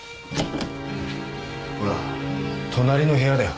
ほら隣の部屋だよ。